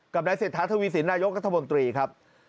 นายเศรษฐาทวีสินนายกรัฐมนตรีครับ